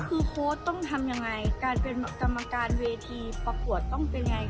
คือโค้ดต้องทำยังไงการเป็นกรรมการเวทีประกวดต้องเป็นยังไง